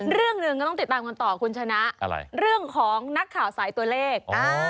เรื่องหนึ่งก็ต้องติดตามกันต่อคุณชนะเรื่องของนักข่าวสายตัวเลข